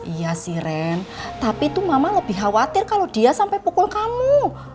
iya siren tapi tuh mama lebih khawatir kalau dia sampai pukul kamu